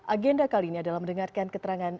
agenda kali ini adalah mendengarkan keterangan